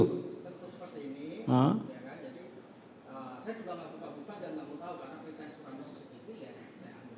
tertutup seperti ini